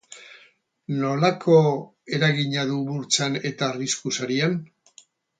Nolako eragina du burtsan eta arrisku sarian?